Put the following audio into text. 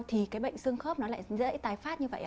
thì cái bệnh xương khớp nó lại dễ tái phát như vậy